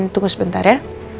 tunggu sebentar ya